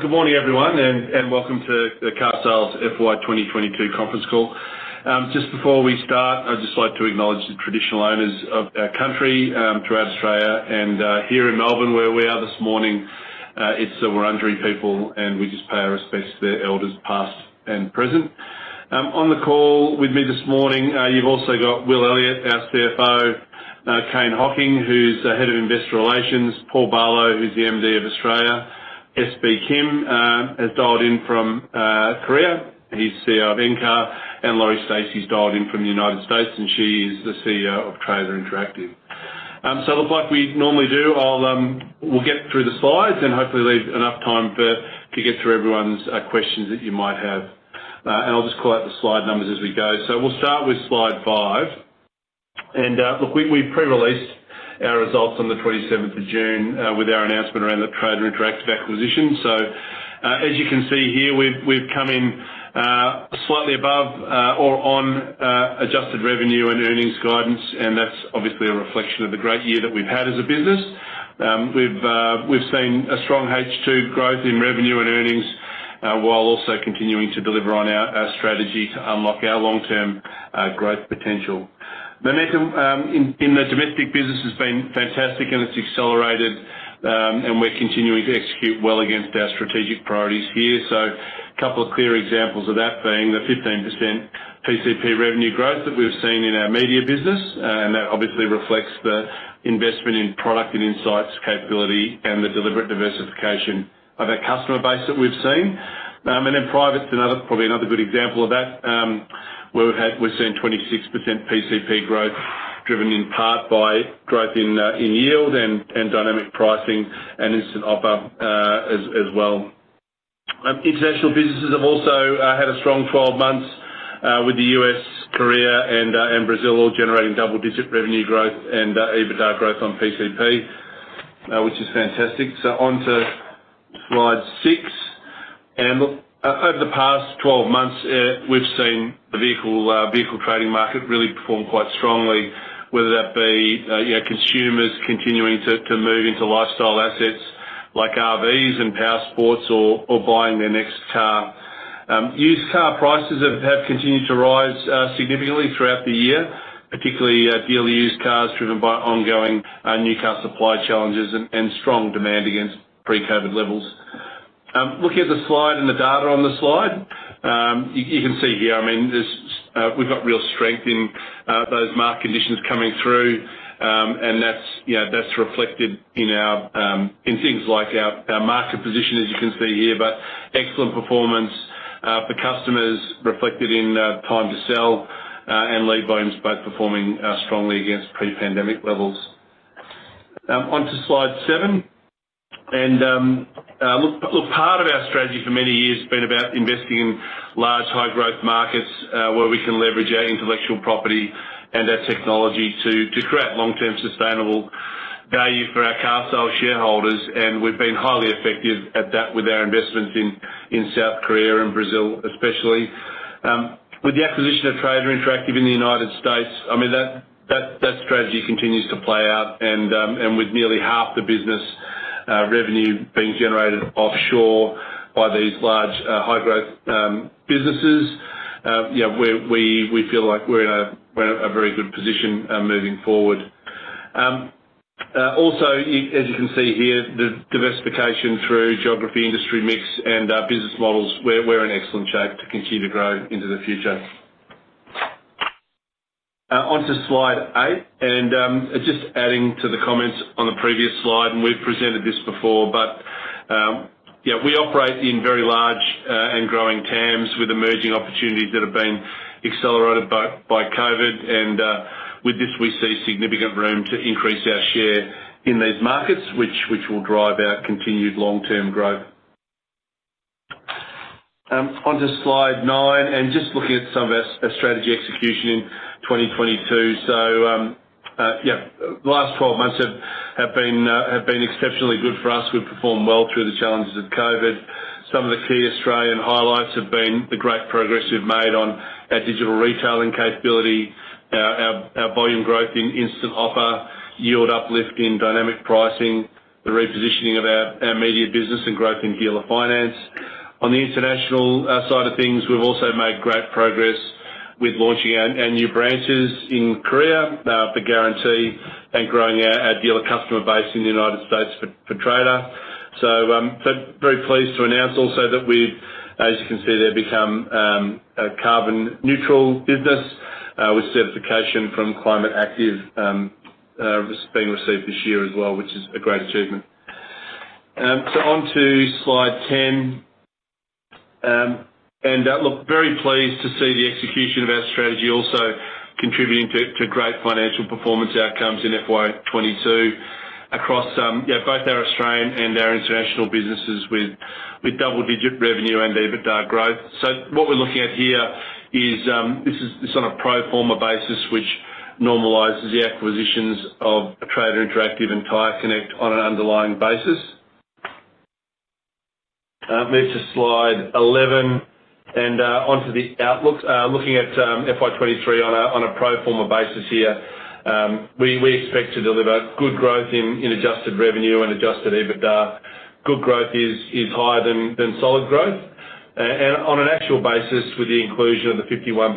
Good morning, everyone, and welcome to the Carsales FY2022 conference call. Just before we start, I'd just like to acknowledge the traditional owners of our country throughout Australia, and here in Melbourne, where we are this morning, it's the Wurundjeri people, and we just pay our respects to their elders, past and present. On the call with me this morning, you've also got Will Elliott, our CFO, Kane Hocking, who's the head of Investor Relations, Paul Barlow, who's the MD of Australia. SB Kim has dialed in from Korea. He's CEO of Encar, and Lori Stacy's dialed in from the United States, and she is the CEO of Trader Interactive. So look, like we normally do, we'll get through the slides and hopefully leave enough time to get through everyone's questions that you might have. I'll just call out the slide numbers as we go. We'll start with slide five. Look, we pre-released our results on June 27th with our announcement around the Trader Interactive acquisition. As you can see here, we've come in slightly above or on adjusted revenue and earnings guidance, and that's obviously a reflection of the great year that we've had as a business. We've seen a strong H2 growth in revenue and earnings while also continuing to deliver on our strategy to unlock our long-term growth potential. The next in the domestic business has been fantastic and it's accelerated, and we're continuing to execute well against our strategic priorities here. A couple of clear examples of that being the 15% PCP revenue growth that we've seen in our media business. That obviously reflects the investment in product and insights capability and the deliberate diversification of our customer base that we've seen. Then private's another, probably another good example of that, where we're seeing 26% PCP growth driven in part by growth in yield and dynamic pricing and Instant Offer, as well. International businesses have also had a strong 12 months with the U.S., Korea, and Brazil all generating double-digit revenue growth and EBITDA growth on PCP, which is fantastic. Onto slide six. Look, over the past 12 months, we've seen the vehicle trading market really perform quite strongly, whether that be, you know, consumers continuing to move into lifestyle assets like RVs and Powersports or buying their next car. Used car prices have continued to rise significantly throughout the year, particularly dealer used cars driven by ongoing new car supply challenges and strong demand against pre-COVID levels. Looking at the slide and the data on the slide, you can see here, I mean, we've got real strength in those market conditions coming through. That's, you know, that's reflected in things like our market position, as you can see here. Excellent performance for customers reflected in time to sell and lead volumes both performing strongly against pre-pandemic levels. Onto slide seven. Look, part of our strategy for many years has been about investing in large, high-growth markets where we can leverage our intellectual property and our technology to create long-term sustainable value for our Carsales shareholders, and we've been highly effective at that with our investments in South Korea and Brazil especially. With the acquisition of Trader Interactive in the United States, I mean, that strategy continues to play out and with nearly half the business revenue being generated offshore by these large high-growth businesses, you know, we feel like we're in a very good position moving forward. Also, as you can see here, the diversification through geography, industry mix and business models, we're in excellent shape to continue to grow into the future. Onto slide eight. Just adding to the comments on the previous slide, and we've presented this before, but yeah, we operate in very large and growing TAMS with emerging opportunities that have been accelerated by COVID. With this, we see significant room to increase our share in these markets, which will drive our continued long-term growth. Onto slide nine and just looking at some of our strategy execution in 2022. Last 12 months have been exceptionally good for us. We've performed well through the challenges of COVID. Some of the key Australian highlights have been the great progress we've made on our digital retailing capability, our volume growth in Instant Offer, yield uplift in dynamic pricing, the repositioning of our media business, and growth in dealer finance. On the international side of things, we've also made great progress with launching our new branches in Korea for Guarantee and growing our dealer customer base in the United States for Trader. Very pleased to announce also that we've, as you can see there, become a carbon-neutral business with certification from Climate Active, this being received this year as well, which is a great achievement. Onto slide ten. Look, very pleased to see the execution of our strategy also contributing to great financial performance outcomes in FY 2022 across both our Australian and our international businesses with double-digit revenue and EBITDA growth. What we're looking at here is this on a pro forma basis, which normalizes the acquisitions of Trader Interactive and TyreConnect on an underlying basis. Move to slide 11. On to the outlook. Looking at FY 2023 on a pro forma basis here. We expect to deliver good growth in adjusted revenue and adjusted EBITDA. Good growth is higher than solid growth. On an actual basis, with the inclusion of the 51%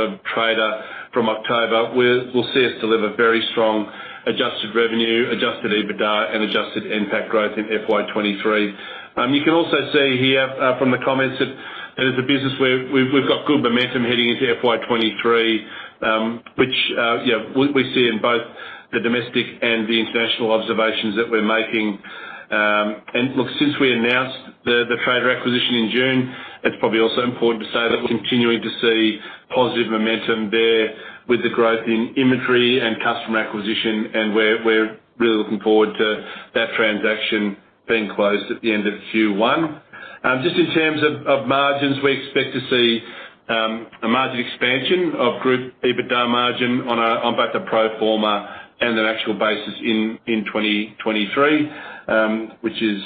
of Trader from October, we will see us deliver very strong adjusted revenue, adjusted EBITDA, and adjusted NPAT growth in FY 2023. You can also see here from the comments that as a business we've got good momentum heading into FY 2023, which we see in both the domestic and the international observations that we're making. Look, since we announced the Trader acquisition in June, it's probably also important to say that we're continuing to see positive momentum there with the growth in inventory and customer acquisition, and we're really looking forward to that transaction being closed at the end of Q1. Just in terms of margins, we expect to see a margin expansion of group EBITDA margin on both the pro forma and an actual basis in 2023, which is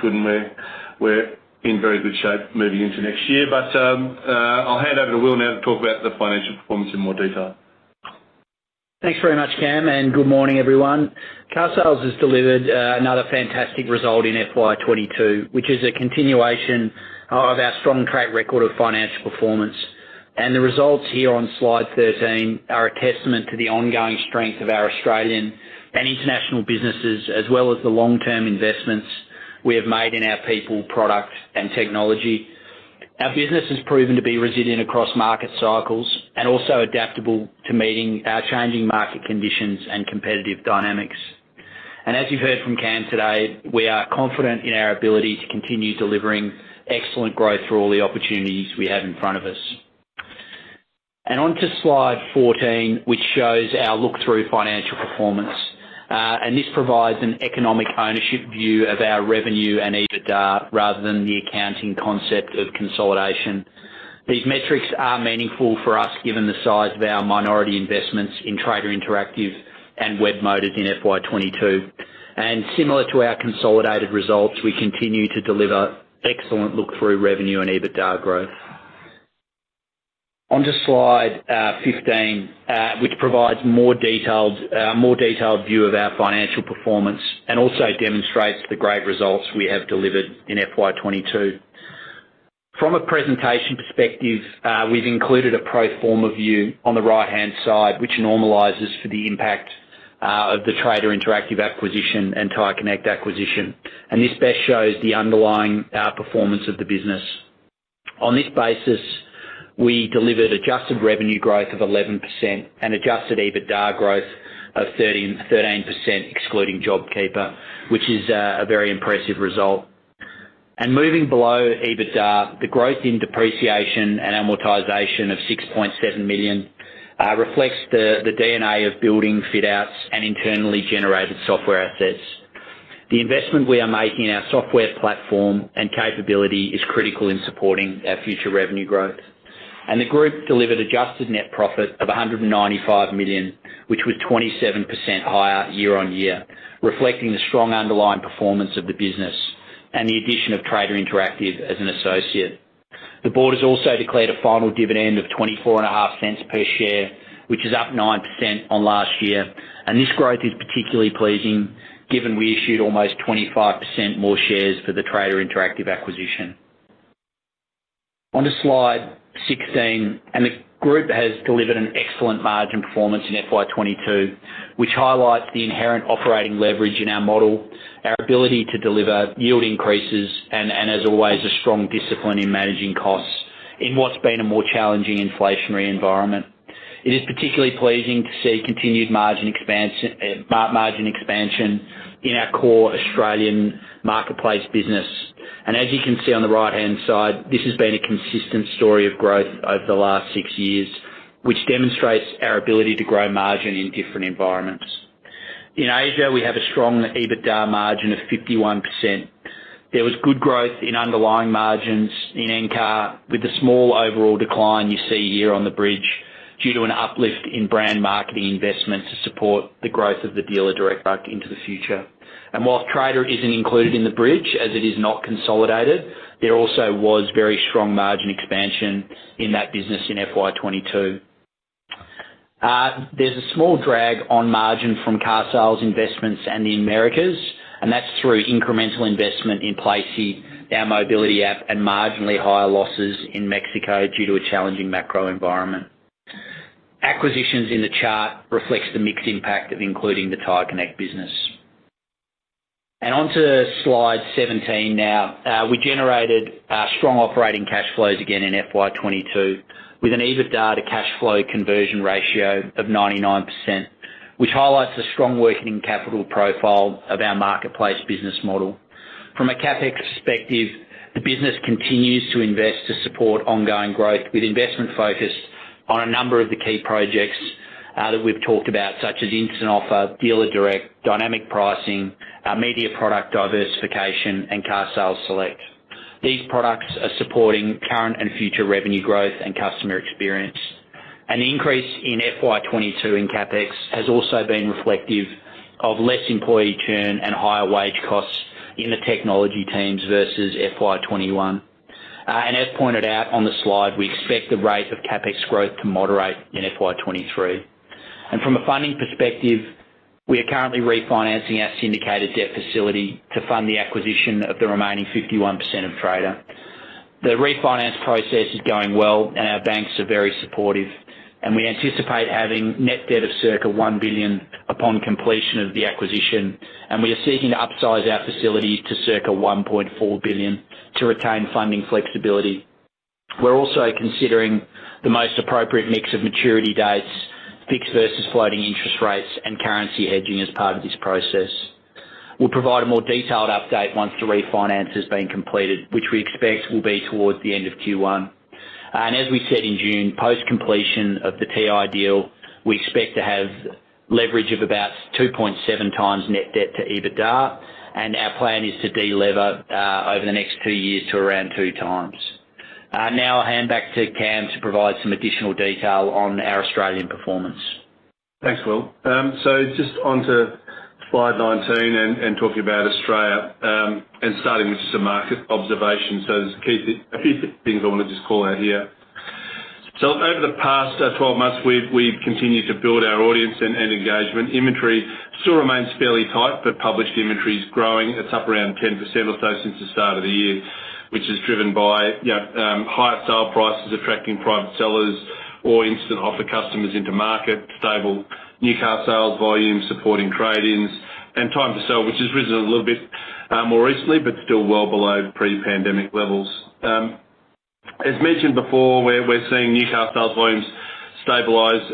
good, and we're in very good shape moving into next year. I'll hand over to Will now to talk about the financial performance in more detail. Thanks very much, Cam, and good morning, everyone. carsales has delivered another fantastic result in FY 2022, which is a continuation of our strong track record of financial performance. The results here on slide 13 are a testament to the ongoing strength of our Australian and international businesses, as well as the long-term investments we have made in our people, product, and technology. Our business has proven to be resilient across market cycles and also adaptable to meeting our changing market conditions and competitive dynamics. As you've heard from Cam today, we are confident in our ability to continue delivering excellent growth through all the opportunities we have in front of us. On to slide 14, which shows our look-through financial performance. This provides an economic ownership view of our revenue and EBITDA rather than the accounting concept of consolidation. These metrics are meaningful for us given the size of our minority investments in Trader Interactive and Webmotors in FY 2022. Similar to our consolidated results, we continue to deliver excellent look-through revenue and EBITDA growth. On to slide 15, which provides more detailed view of our financial performance and also demonstrates the great results we have delivered in FY 2022. From a presentation perspective, we've included a pro forma view on the right-hand side, which normalizes for the impact of the Trader Interactive acquisition and TyreConnect acquisition. This best shows the underlying performance of the business. On this basis, we delivered adjusted revenue growth of 11% and adjusted EBITDA growth of 13% excluding JobKeeper, which is a very impressive result. Moving below EBITDA, the growth in depreciation and amortization of 6.7 million reflects the D&A of building, fit-outs, and internally generated software assets. The investment we are making in our software platform and capability is critical in supporting our future revenue growth. The group delivered adjusted net profit of 195 million, which was 27% higher year-on-year, reflecting the strong underlying performance of the business and the addition of Trader Interactive as an associate. The board has also declared a final dividend of 0.245 per share, which is up 9% on last year. This growth is particularly pleasing given we issued almost 25% more shares for the Trader Interactive acquisition. On to slide 16, the group has delivered an excellent margin performance in FY 2022, which highlights the inherent operating leverage in our model, our ability to deliver yield increases, and as always, a strong discipline in managing costs in what's been a more challenging inflationary environment. It is particularly pleasing to see continued margin expansion in our core Australian marketplace business. As you can see on the right-hand side, this has been a consistent story of growth over the last six years, which demonstrates our ability to grow margin in different environments. In Asia, we have a strong EBITDA margin of 51%. There was good growth in underlying margins in Encar, with a small overall decline you see here on the bridge due to an uplift in brand marketing investments to support the growth of the Dealer Direct work into the future. While Trader isn't included in the bridge, as it is not consolidated, there also was very strong margin expansion in that business in FY 2022. There's a small drag on margin from carsales investments and the Americas, and that's through incremental investment in Placie, our mobility app, and marginally higher losses in Mexico due to a challenging macro environment. Acquisitions in the chart reflects the mixed impact of including the TyreConnect business. On to slide 17 now. We generated strong operating cash flows again in FY 2022 with an EBITDA to cash flow conversion ratio of 99%, which highlights the strong working capital profile of our marketplace business model. From a CapEx perspective, the business continues to invest to support ongoing growth, with investment focused on a number of the key projects that we've talked about, such as Instant Offer, Dealer Direct, dynamic pricing, our media product diversification, and carsales Select. These products are supporting current and future revenue growth and customer experience. The increase in FY 2022 in CapEx has also been reflective of less employee churn and higher wage costs in the technology teams versus FY21. As pointed out on the slide, we expect the rate of CapEx growth to moderate in FY 2023. From a funding perspective, we are currently refinancing our syndicated debt facility to fund the acquisition of the remaining 51% of Trader. The refinance process is going well, and our banks are very supportive. We anticipate having net debt of circa 1 billion upon completion of the acquisition. We are seeking to upsize our facilities to circa 1.4 billion to retain funding flexibility. We're also considering the most appropriate mix of maturity dates, fixed versus floating interest rates, and currency hedging as part of this process. We'll provide a more detailed update once the refinance has been completed, which we expect will be towards the end of Q1. As we said in June, post-completion of the TI deal, we expect to have leverage of about 2.7x net debt to EBITDA, and our plan is to de-lever over the next two years to around 2x. Now I'll hand back to Cam to provide some additional detail on our Australian performance. Thanks, Will. Just onto slide 19 and talking about Australia and starting with some market observations. There's a key a few things I wanna just call out here. Over the past 12 months, we've continued to build our audience and engagement. Inventory still remains fairly tight, but published inventory is growing. It's up around 10% or so since the start of the year, which is driven by, you know, higher sale prices attracting private sellers or Instant Offer customers into market, stable new car sales volume supporting trade-ins and time to sell, which has risen a little bit more recently, but still well below pre-pandemic levels. As mentioned before, we're seeing new car sales volumes stabilize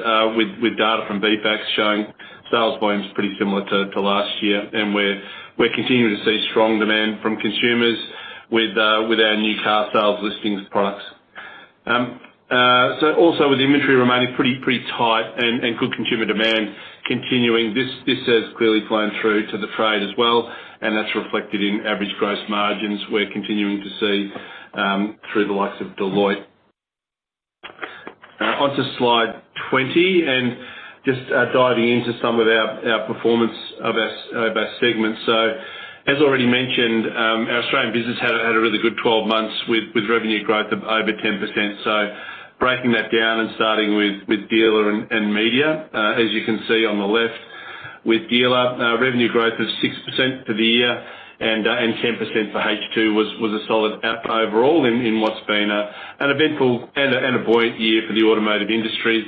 with data from VFACTS showing sales volumes pretty similar to last year. We're continuing to see strong demand from consumers with our new car sales listings products. Also with the inventory remaining pretty tight and good consumer demand continuing, this has clearly flown through to the trade as well, and that's reflected in average gross margins we're continuing to see through the likes of Deloitte. Onto slide 20, just diving into some of our performance of our segments. As already mentioned, our Australian business had a really good 12 months with revenue growth of over 10%. Breaking that down and starting with dealer and media. As you can see on the left, with dealer revenue growth of 6% for the year and 10% for H2 was a solid outcome overall in what's been an eventful and a buoyant year for the automotive industry.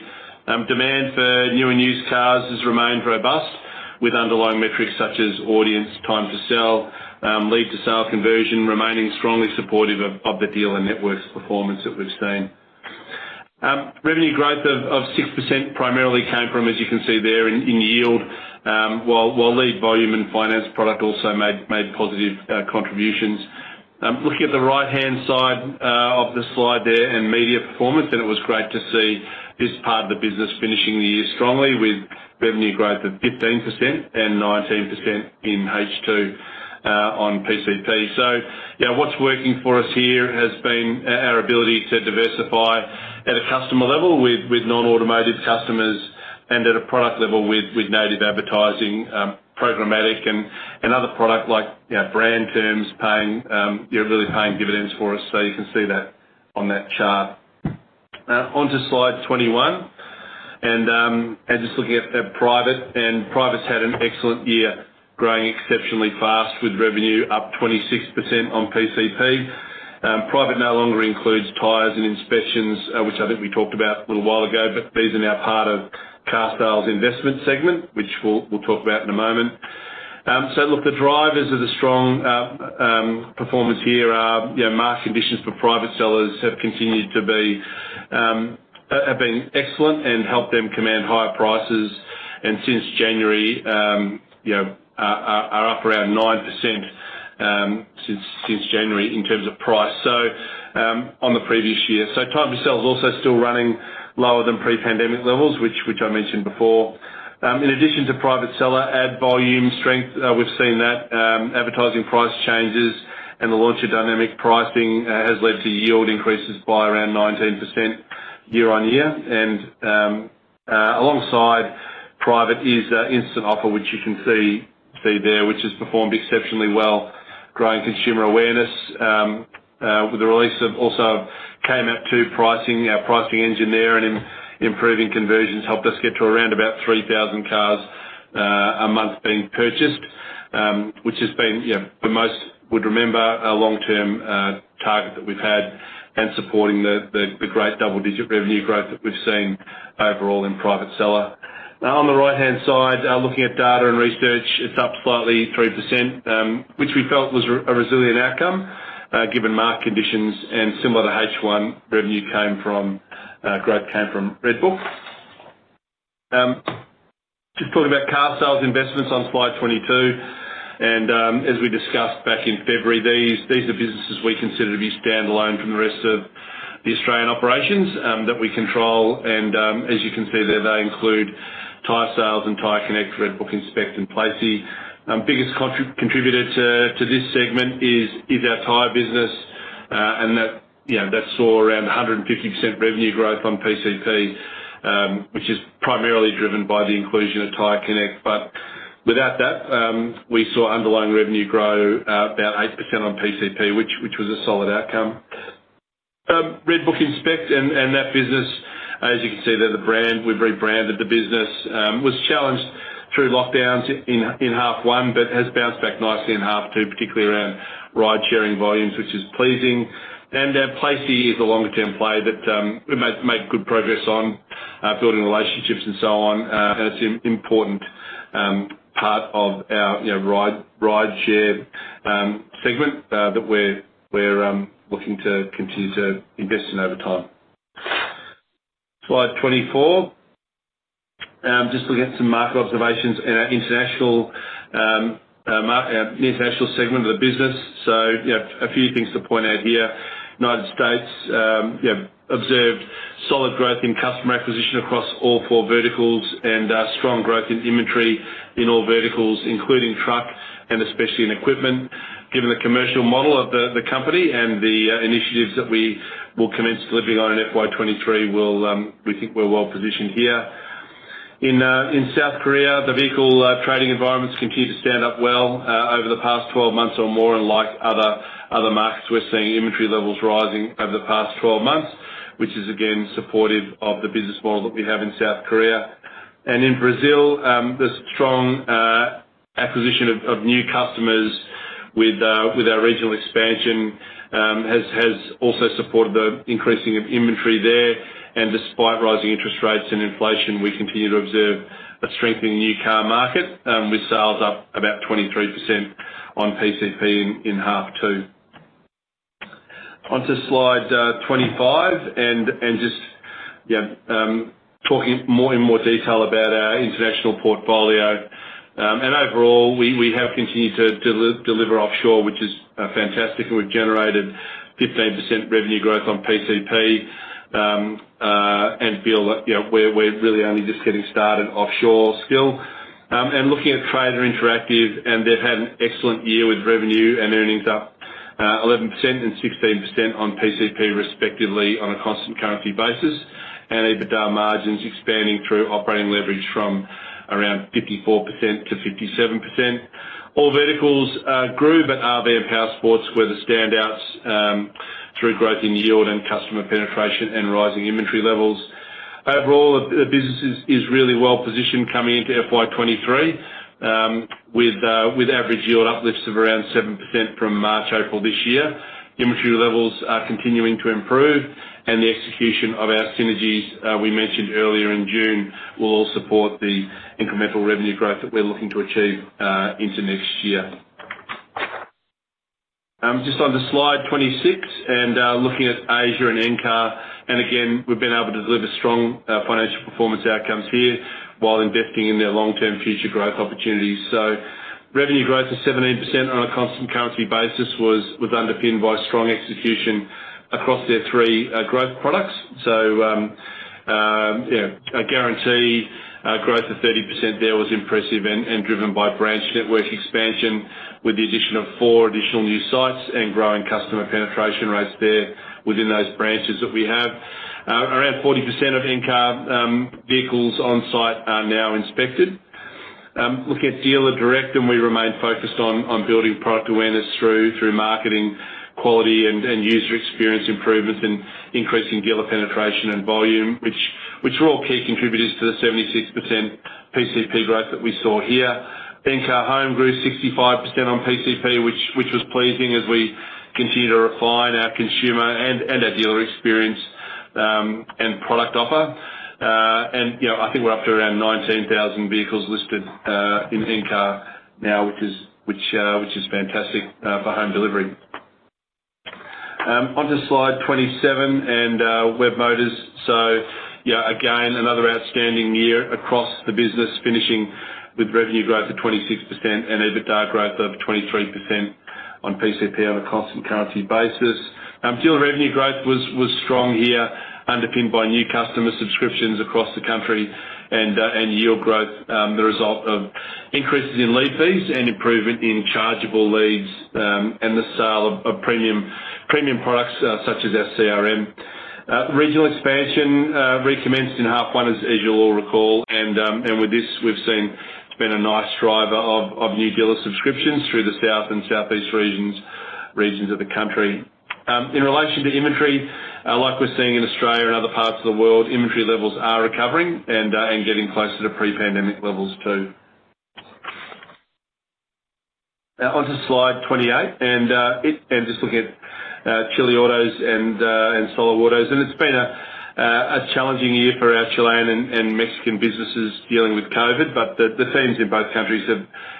Demand for new and used cars has remained robust with underlying metrics such as audience, time to sell, lead-to-sale conversion remaining strongly supportive of the dealer network's performance that we've seen. Revenue growth of 6% primarily came from, as you can see there, in yield, while lead volume and finance product also made positive contributions. Looking at the right-hand side of the slide there in media performance, it was great to see this part of the business finishing the year strongly with revenue growth of 15% and 19% in H2 on PCP. You know, what's working for us here has been our ability to diversify at a customer level with non-automative customers and at a product level with native advertising, programmatic and other product like, you know, brand terms paying really paying dividends for us. You can see that on that chart. Onto slide 21. Just looking at private's had an excellent year, growing exceptionally fast with revenue up 26% on PCP. Private no longer includes tires and inspections, which I think we talked about a little while ago, but these are now part of carsales investment segment, which we'll talk about in a moment. Look, the drivers of the strong performance here are, you know, market conditions for private sellers have been excellent and helped them command higher prices. Since January, you know, are up around 9% on the previous year in terms of price. Time to sell is also still running lower than pre-pandemic levels, which I mentioned before. In addition to private-seller ad volume strength, we've seen that advertising price changes and the launch of dynamic pricing has led to yield increases by around 19% year-on-year. Alongside private is Instant Offer, which you can see there, which has performed exceptionally well, growing consumer awareness with the release of also KMAP 2 pricing, our pricing engine there, and improving conversions helped us get to around about 3,000 cars a month being purchased, which has been, you know, for most would remember, a long-term target that we've had and supporting the great double-digit revenue growth that we've seen overall in private seller. Now on the right-hand side, looking at data and research, it's up slightly 3%, which we felt was a resilient outcome, given market conditions and similar to H1, growth came from RedBook. Just talking about carsales investments on slide 22. As we discussed back in February, these are businesses we consider to be standalone from the rest of the Australian operations that we control. As you can see there, they include tyresales and TyreConnect, RedBook Inspect and Placie. Biggest contributor to this segment is our tyre business. That, you know, saw around 150% revenue growth on PCP, which is primarily driven by the inclusion of TyreConnect. Without that, we saw underlying revenue grow about 8% on PCP, which was a solid outcome. RedBook Inspect and that business, as you can see there, the brand, we've rebranded the business, was challenged through lockdowns in half one, but has bounced back nicely in half two, particularly around ride-sharing volumes, which is pleasing. Placie is a longer-term play, but we've made good progress on building relationships and so on. It's an important part of our, you know, ride-share segment that we're looking to continue to invest in over time. Slide 24. Just looking at some market observations in our international segment of the business. Yeah, a few things to point out here. United States, observed solid growth in customer acquisition across all four verticals and strong growth in inventory in all verticals, including truck and especially in equipment. Given the commercial model of the company and the initiatives that we will commence delivering on in FY 2023, we think we're well-positioned here. In South Korea, the vehicle trading environments continue to stand up well. Over the past 12 months or more, and like other markets, we're seeing inventory levels rising over the past 12 months, which is again supportive of the business model that we have in South Korea. In Brazil, the strong acquisition of new customers with our regional expansion has also supported the increasing of inventory there. Despite rising interest rates and inflation, we continue to observe a strengthening new car market, with sales up about 23% on PCP in half two. Onto slide 25 and just talking more in more detail about our international portfolio. Overall, we have continued to deliver offshore, which is fantastic. We've generated 15% revenue growth on PCP, and feel like, you know, we're really only just getting started offshore still. Looking at Trader Interactive, they've had an excellent year with revenue and earnings up 11% and 16% on PCP, respectively, on a constant currency basis, and EBITDA margins expanding through operating leverage from around 54% to 57%. All verticals grew, but RV and Powersports were the standouts through growth in yield and customer penetration and rising inventory levels. Overall, the business is really well positioned coming into FY 2023 with average yield uplifts of around 7% from March, April this year. Inventory levels are continuing to improve, and the execution of our synergies we mentioned earlier in June will all support the incremental revenue growth that we're looking to achieve into next year. Just onto slide 26 and looking at Asia and Encar. Again, we've been able to deliver strong financial performance outcomes here while investing in their long-term future growth opportunities. Revenue growth of 17% on a constant currency basis was underpinned by strong execution across their three growth products. A Guarantee growth of 30% there was impressive and driven by branch network expansion with the addition of four additional new sites and growing customer penetration rates there within those branches that we have. Around 40% of Encar vehicles on site are now inspected. Looking at Dealer Direct, we remain focused on building product awareness through marketing quality and user experience improvements and increasing dealer penetration and volume, which were all key contributors to the 76% PCP growth that we saw here. Encar Home grew 65% on PCP, which was pleasing as we continue to refine our consumer and our dealer experience and product offer. You know, I think we're up to around 19,000 vehicles listed in Encar now, which is fantastic for home delivery. Onto slide 27 and Webmotors. Yeah, again, another outstanding year across the business, finishing with revenue growth of 26% and EBITDA growth of 23% on PCP on a constant currency basis. Dealer revenue growth was strong here, underpinned by new customer subscriptions across the country, and yield growth, the result of increases in lead fees and improvement in chargeable leads, and the sale of premium products, such as our CRM. Regional expansion recommenced in half one, as you'll all recall. With this, we've seen it's been a nice driver of new dealer subscriptions through the South and Southeast regions of the country. In relation to inventory, like we're seeing in Australia and other parts of the world, inventory levels are recovering and getting closer to pre-pandemic levels too. Now onto slide 28. Just looking at Chileautos and SoloAutos. It's been a challenging year for our Chilean and Mexican businesses dealing with COVID, but the teams in both countries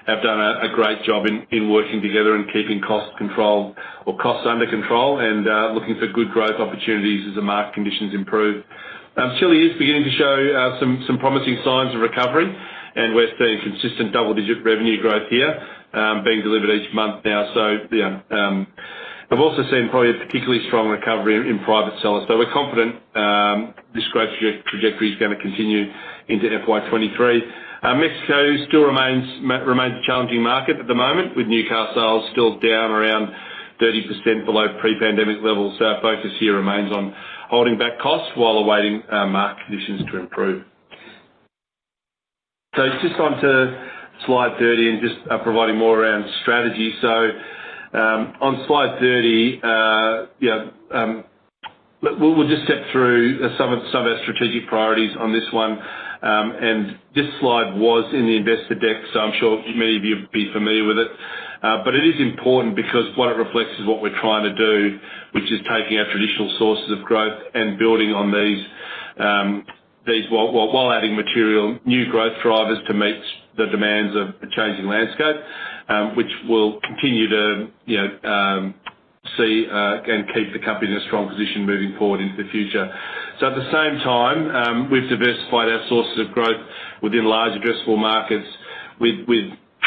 have done a great job in working together and keeping costs controlled or costs under control and looking for good growth opportunities as the market conditions improve. Chileautos is beginning to show some promising signs of recovery, and we're seeing consistent double-digit revenue growth here being delivered each month now. We've also seen probably a particularly strong recovery in private sellers. We're confident this growth trajectory is gonna continue into FY 2023. Mexico still remains a challenging market at the moment, with new car sales still down around 30% below pre-pandemic levels. Our focus here remains on holding back costs while awaiting market conditions to improve. Just on to slide 30 and just providing more around strategy. On slide 30, we'll just step through some of the strategic priorities on this one. This slide was in the investor deck, so I'm sure many of you will be familiar with it. It is important because what it reflects is what we're trying to do, which is taking our traditional sources of growth and building on these while adding material new growth drivers to meet the demands of a changing landscape, which we'll continue to you know see and keep the company in a strong position moving forward into the future. At the same time, we've diversified our sources of growth within large addressable markets with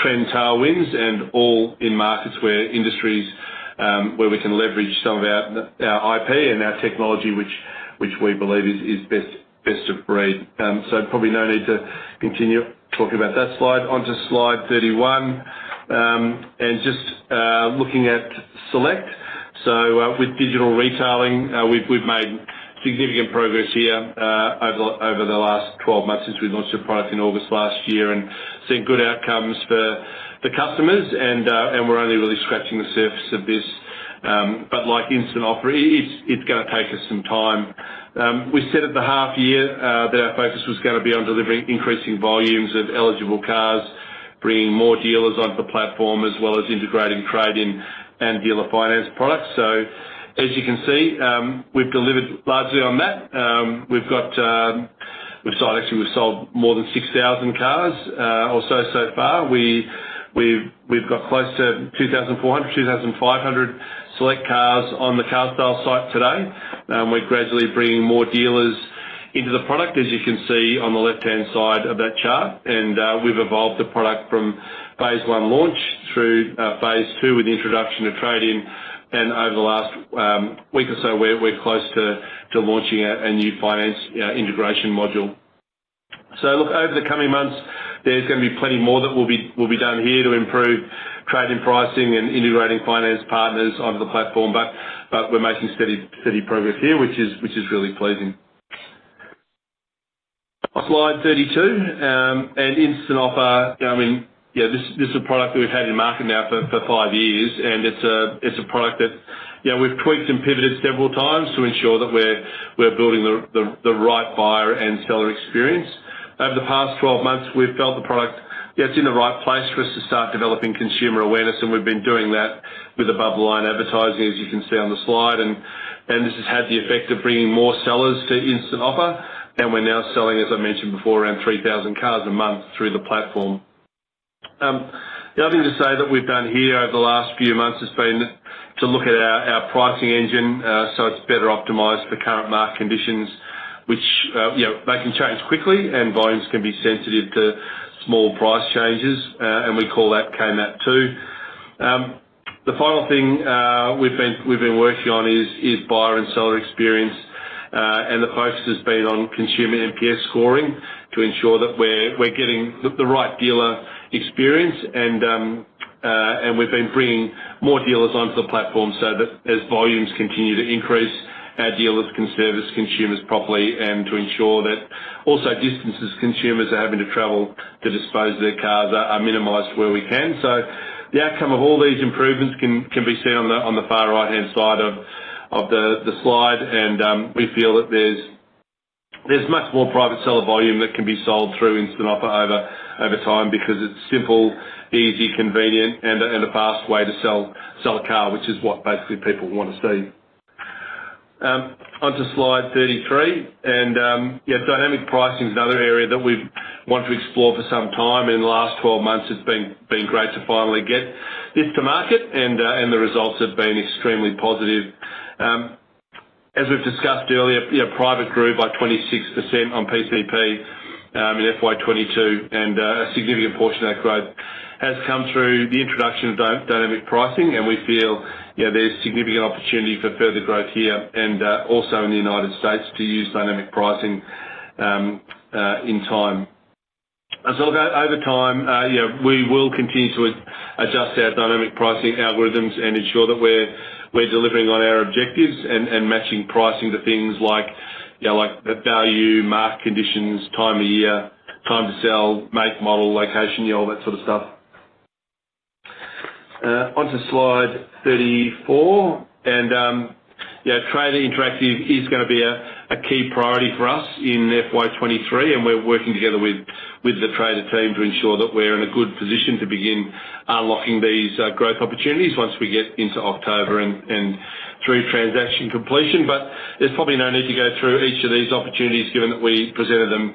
trend tailwinds and all in markets where industries where we can leverage some of our IP and our technology, which we believe is best of breed. Probably no need to continue talking about that slide. Onto slide 31 and just looking at Select. With digital retailing, we've made significant progress here over the last 12 months since we launched the product in August last year and seen good outcomes for the customers and we're only really scratching the surface of this. Like Instant Offer, it's gonna take us some time. We said at the half year that our focus was gonna be on delivering increasing volumes of eligible cars, bringing more dealers onto the platform, as well as integrating trade-in and dealer finance products. As you can see, we've delivered largely on that. We've sold, actually, more than 6,000 cars or so far. We've got close to 2,400-2,500 carsales Select cars on the carsales site today. We're gradually bringing more dealers into the product, as you can see on the left-hand side of that chart. We've evolved the product from phase one launch through phase two with the introduction of trade-in. Over the last week or so, we're close to launching a new finance integration module. Look, over the coming months, there's gonna be plenty more that will be done here to improve trade-in pricing and integrating finance partners onto the platform. But we're making steady progress here, which is really pleasing. On slide 32, Instant Offer, I mean, yeah, this is a product that we've had in the market now for five years, and it's a product that, you know, we've tweaked and pivoted several times to ensure that we're building the right buyer and seller experience. Over the past 12 months, we've built a product that's in the right place for us to start developing consumer awareness, and we've been doing that with above-the-line advertising, as you can see on the slide. This has had the effect of bringing more sellers to Instant Offer. We're now selling, as I mentioned before, around 3,000 cars a month through the platform. The other thing to say that we've done here over the last few months has been to look at our pricing engine, so it's better optimized for current market conditions, which, you know, they can change quickly and volumes can be sensitive to small price changes. We call that KMAP 2. The final thing we've been working on is buyer and seller experience. The focus has been on consumer NPS scoring to ensure that we're getting the right dealer experience. We've been bringing more dealers onto the platform so that as volumes continue to increase, our dealers can service consumers properly and to ensure that also distances consumers are having to travel to dispose their cars are minimized where we can. The outcome of all these improvements can be seen on the far right-hand side of the slide. We feel that there's much more private seller volume that can be sold through Instant Offer over time because it's simple, easy, convenient and a fast way to sell a car, which is what basically people wanna see. Onto slide 33, dynamic pricing is another area that we've wanted to explore for some time. In the last 12 months, it's been great to finally get this to market and the results have been extremely positive. As we've discussed earlier, you know, private grew by 26% on PCP in FY 2022, and a significant portion of that growth has come through the introduction of dynamic pricing. We feel, you know, there's significant opportunity for further growth here and also in the United States to use dynamic pricing in time. Over time, you know, we will continue to adjust our dynamic pricing algorithms and ensure that we're delivering on our objectives and matching pricing to things like, you know, like the value, market conditions, time of year, time to sell, make, model, location, you know, all that sort of stuff. Onto slide 34. Trader Interactive is gonna be a key priority for us in FY 2023, and we're working together with the Trader team to ensure that we're in a good position to begin unlocking these growth opportunities once we get into October and through transaction completion. There's probably no need to go through each of these opportunities given that we presented them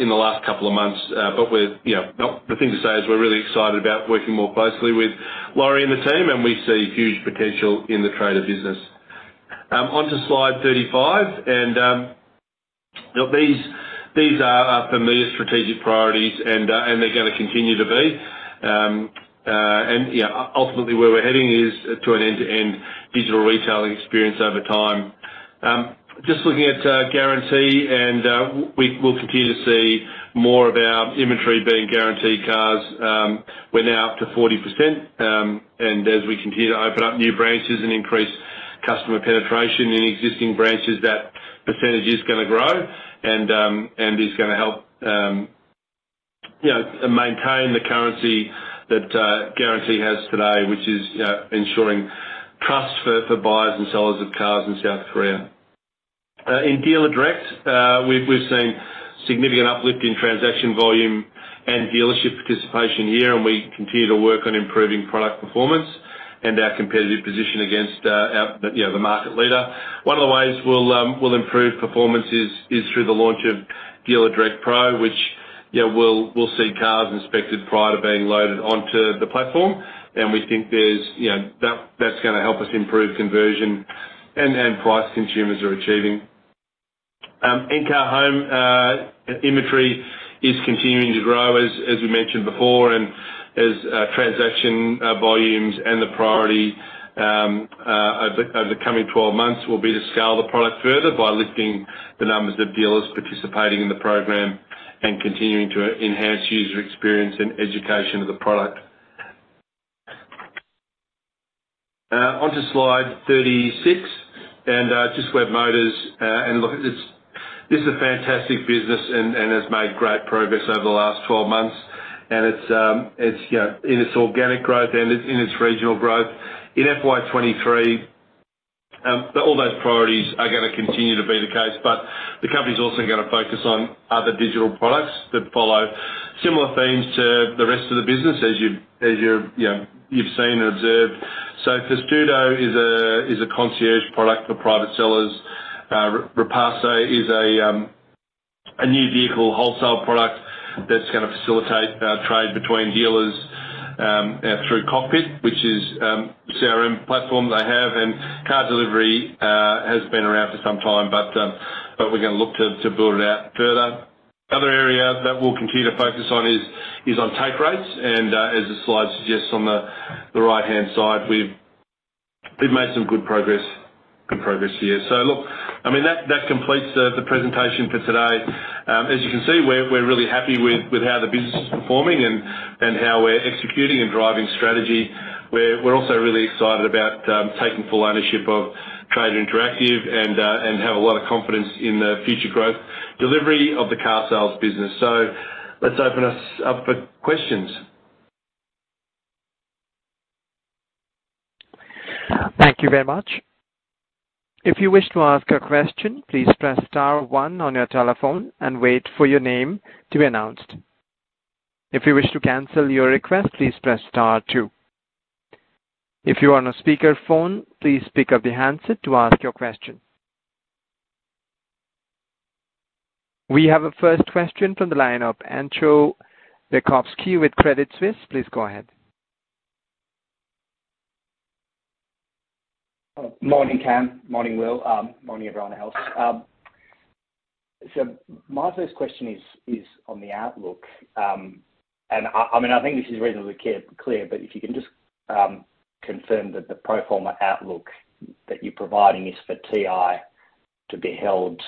in the last couple of months. The thing to say is we're really excited about working more closely with Lori and the team, and we see huge potential in the Trader business. Onto slide 35. These are familiar strategic priorities and they're gonna continue to be. Ultimately where we're heading is to an end-to-end digital retailing experience over time. Just looking at Guarantee, and we will continue to see more of our inventory being Guarantee cars. We're now up to 40%, and as we continue to open up new branches and increase customer penetration in existing branches, that percentage is gonna grow and is gonna help, you know, maintain the currency that Guarantee has today, which is, you know, ensuring trust for buyers and sellers of cars in South Korea. In Dealer Direct, we've seen significant uplift in transaction volume and dealership participation here, and we continue to work on improving product performance and our competitive position against our, you know, the market leader. One of the ways we'll improve performance is through the launch of Dealer Direct Pro, which, you know, will see cars inspected prior to being loaded onto the platform. We think that's gonna help us improve conversion and price consumers are achieving. In Encar Home, inventory is continuing to grow as we mentioned before, and as transaction volumes and the priority over the coming 12 months will be to scale the product further by lifting the numbers of dealers participating in the program and continuing to enhance user experience and education of the product. Onto slide 36, just Webmotors, and look, it's this is a fantastic business and has made great progress over the last 12 months. It's in its organic growth and in its regional growth. In FY 2023, all those priorities are gonna continue to be the case, but the company's also gonna focus on other digital products that follow similar themes to the rest of the business as you're, you know, you've seen and observed. Faz Tudo is a concierge product for private sellers. Repasse is a new vehicle wholesale product that's gonna facilitate trade between dealers through Cockpit, which is CRM platform they have. Car delivery has been around for some time, but we're gonna look to build it out further. Other area that we'll continue to focus on is on take rates, and as the slide suggests on the right-hand side, we've made some good progress here. Look, I mean, that completes the presentation for today. As you can see, we're really happy with how the business is performing and how we're executing and driving strategy. We're also really excited about taking full ownership of Trader Interactive and have a lot of confidence in the future growth delivery of the carsales business. Let's open this up for questions. Thank you very much. If you wish to ask a question, please press star one on your telephone and wait for your name to be announced. If you wish to cancel your request, please press star two. If you are on a speaker phone, please pick up the handset to ask your question. We have a first question from the line of Entcho Raykovski with Credit Suisse. Please go ahead. Morning, Cam. Morning, Will. Morning, everyone else. My first question is on the outlook. I mean, I think this is reasonably clear, but if you can just confirm that the pro forma outlook that you're providing is for TI to be held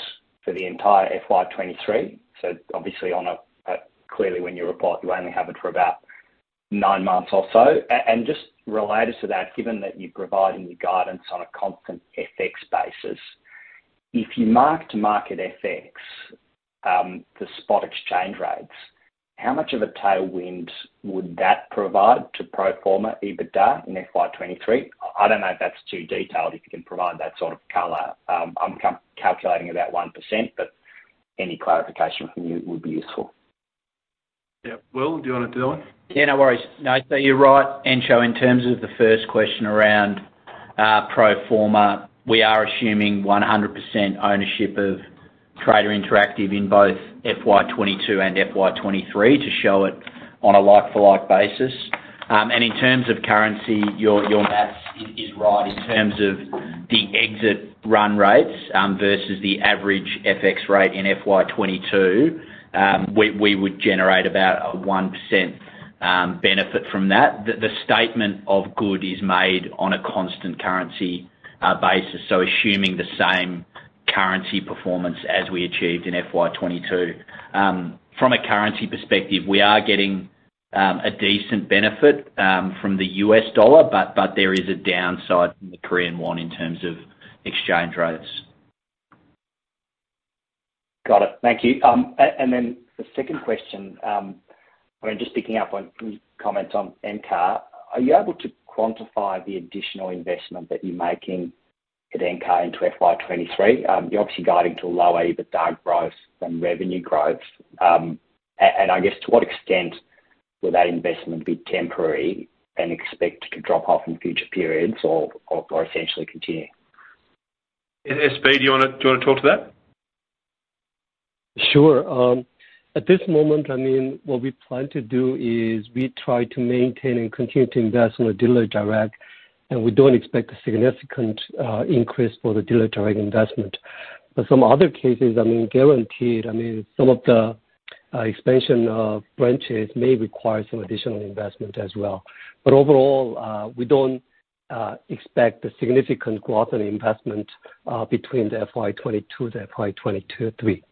for the entire FY 2023. Obviously on a-- clearly when you report, you only have it for about nine months or so. And just related to that, given that you're providing your guidance on a constant FX basis, if you mark to market FX, the spot exchange rates, how much of a tailwind would that provide to pro forma EBITDA in FY 2023? I don't know if that's too detailed, if you can provide that sort of color. I'm calculating about 1%, but any clarification from you would be useful. Yeah. Will, do you wanna do that one? Yeah, no worries. No. You're right, Entcho Raykovski. In terms of the first question around pro forma, we are assuming 100% ownership of Trader Interactive in both FY 2022 and FY 2023 to show it on a like-for-like basis. In terms of currency, your math is right. In terms of the exit run rates versus the average FX rate in FY 2022, we would generate about a 1% benefit from that. The statement of guidance is made on a constant currency basis, so assuming the same currency performance as we achieved in FY 2022. From a currency perspective, we are getting a decent benefit from the U.S. dollar, but there is a downside in the Korean won in terms of exchange rates. Got it. Thank you. The second question, and just picking up on comments on Encar, are you able to quantify the additional investment that you're making at Encar into FY 2023? You're obviously guiding to a lower EBITDA growth than revenue growth. I guess to what extent will that investment be temporary and expect to drop off in future periods or essentially continue? SB, do you wanna talk to that? Sure. At this moment, I mean, what we plan to do is we try to maintain and continue to invest in Dealer Direct, and we don't expect a significant increase for the Dealer Direct investment. Some other cases, I mean, Guarantee, I mean, some of the expansion of branches may require some additional investment as well. Overall, we don't expect a significant growth in investment between FY 2022 and FY 2023.